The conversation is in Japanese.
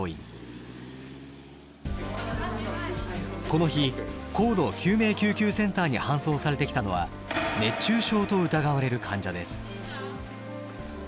この日高度救命救急センターに搬送されてきたのは熱中症と疑われる患者です。